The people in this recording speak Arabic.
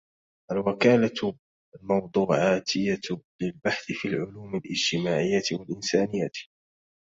الوكالة الموضوعاتية للبحث في العلوم الإجتماعية و الإنسانية